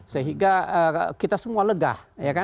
sehingga kita semua legah